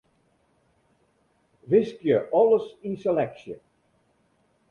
Wiskje alles yn seleksje.